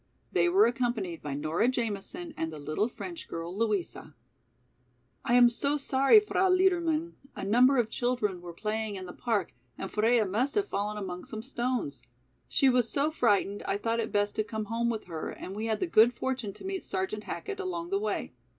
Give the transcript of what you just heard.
They were accompanied by Nora Jamison and the little French girl, Louisa. "I am so sorry, Frau Liedermann, a number of children were playing in the park and Freia must have fallen among some stones. She was so frightened I thought it best to come home with her and we had the good fortune to meet Sergeant Hackett along the way.